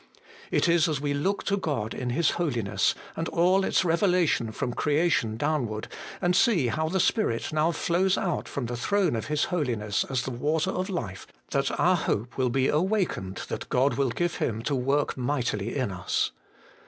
It is as we look to God in His Holiness, and all its revelation from Creation down ward, and see how the Spirit now flows out from the throne of His Holiness as the water of life, that our hope will be awakened that God will give Him to work mightily in us.